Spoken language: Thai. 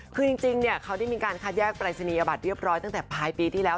คือจริงเขาได้มีการคัดแยกปรายศนียบัตรเรียบร้อยตั้งแต่ปลายปีที่แล้ว